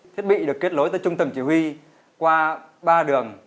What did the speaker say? thiết bị được kết lối tới trung tầng chỉ huy qua ba đường